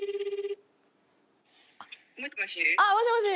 「もしもし？」